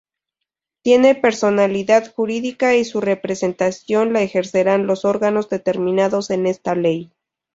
Tiene personalidad jurídica y su representación la ejercerán los órganos determinados en esta Ley.